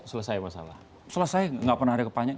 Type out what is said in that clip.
selesai masalah selesai nggak pernah ada kepanjang